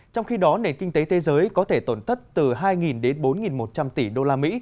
trong khi đó nền kinh tế thế giới có thể tổn thất từ hai đến bốn một trăm linh tỷ usd